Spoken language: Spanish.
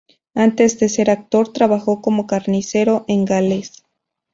Antes de ser actor trabajó como carnicero en Gales.